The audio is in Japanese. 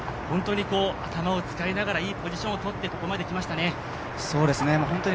本当に頭を使いながら、いいポジションをとって、ここまで来ましたね。